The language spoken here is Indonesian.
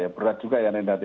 berat juga ya renat